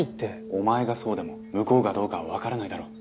お前がそうでも向こうがどうかはわからないだろ。